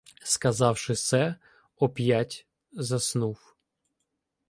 Сказавши се, оп'ять заснув.